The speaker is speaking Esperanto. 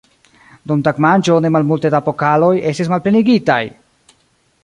Dum tagmanĝo ne malmulte da pokaloj estis malplenigitaj!